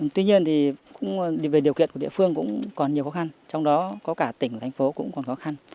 tuy nhiên thì về điều kiện của địa phương cũng còn nhiều khó khăn trong đó có cả tỉnh thành phố cũng còn khó khăn